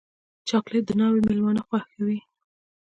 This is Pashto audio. چاکلېټ د ناوې مېلمانه خوښوي.